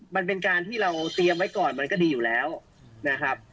มันเป็นการที่เราเตรียมไว้ก่อนมันก็ดีอยู่แล้วนะครับ